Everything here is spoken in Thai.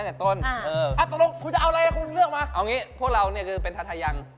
เอาอย่างนี้พวกเราเป็นทัทยัง